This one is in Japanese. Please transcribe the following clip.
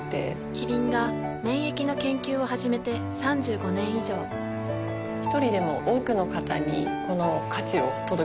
キリンが免疫の研究を始めて３５年以上一人でも多くの方にこの価値を届けていきたいと思っています。